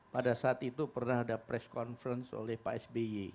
pada saat itu pernah ada press conference oleh pak sby